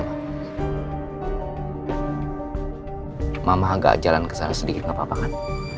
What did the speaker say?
mama agak jalan kesana sedikit gak apa apa kan